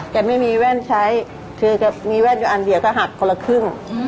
แกไม่มีแว่นใช้คือแกมีแว่นอยู่อันเดียวก็หักคนละครึ่ง